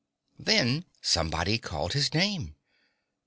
Then somebody called his name.